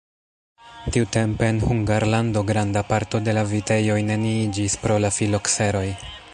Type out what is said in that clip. Tiutempe en Hungarlando granda parto de la vitejoj neniiĝis pro la filokseroj.